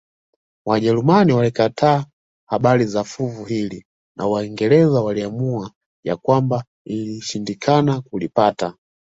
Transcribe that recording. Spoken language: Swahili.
Wajerumani walikataa habari za fuvu hili na Waingereza waliamua ya kwamba ilishindikana kulipata